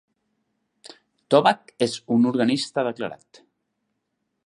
Tobback és un orangista declarat.